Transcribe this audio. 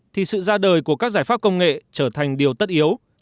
thì sự ra đời của các giải pháp công nghệ trở thành điều tất yếu